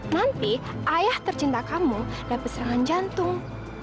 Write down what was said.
nanti ayah tercinta kamu dapat serangan jantung